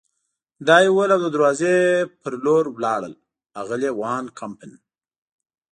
دا یې وویل او د دروازې په لور ولاړل، اغلې وان کمپن.